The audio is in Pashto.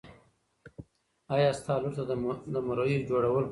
ایا ستا لور ته د مریو جوړول خوښ دي؟